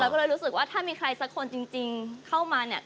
ก็เลยรู้สึกว่าถ้ามีใครสักคนจริงเข้ามาเนี่ย